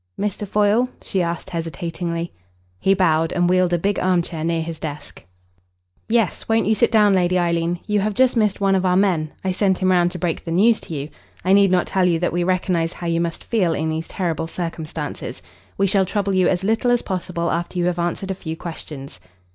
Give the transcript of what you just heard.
"Mr. Foyle?" she asked hesitatingly. He bowed and wheeled a big arm chair near his desk. "Yes. Won't you sit down, Lady Eileen? You have just missed one of our men. I sent him round to break the news to you. I need not tell you that we recognise how you must feel in these terrible circumstances. We shall trouble you as little as possible after you have answered a few questions."